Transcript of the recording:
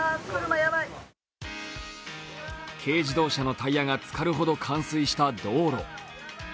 軽自動車のタイヤがつかるほど冠水した道路。